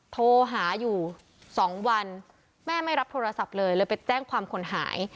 โทรหาอยู่๒วันแม่ไม่รับโทรศัพท์เลยเลยไปแจ้งความคนหาย